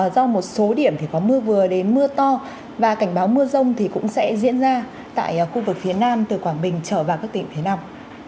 do một số điểm thì có mưa vừa đến mưa to và cảnh báo mưa rông thì cũng sẽ diễn ra tại khu vực phía nam từ quảng bình trở vào các tỉnh phía nam